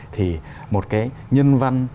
thì một cái nhân văn